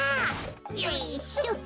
よいしょっと。